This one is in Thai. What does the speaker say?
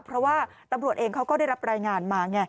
เพราะว่าตำรวจเองเขาก็ได้รับรายงานมาไง